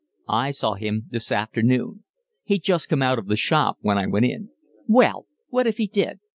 "I saw him this afternoon. He'd just come out of the shop when I went in." "Well, what if he did?